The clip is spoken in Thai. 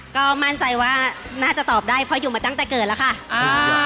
ก็มั่นใจว่าน่าจะตอบได้เพราะอยู่มาตั้งแต่เกิดแล้วค่ะอ่า